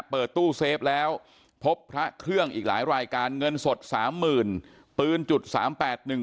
เปิดตู้เซฟแล้วพบพระเครื่องอีกหลายรายการเงินสด๓๐๐๐๐ปืน๓๘๑